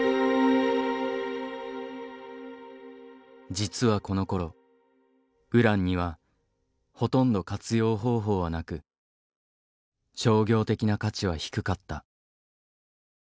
実はこのころウランにはほとんど活用方法はなく商業的な価値は低かった。